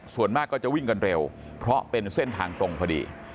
ส่วนมากก็จะวิ่งกันเร็วเพราะเป็นเส้นทางตรงพอดี